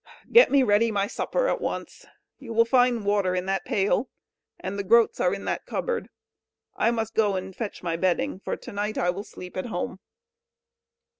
"Get me ready my supper at once. You will find water in that pail, and the groats in that cupboard. I must go and fetch my bedding, for to night I will sleep at home."